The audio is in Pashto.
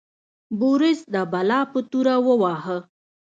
بوریس د بلا په توره وواهه.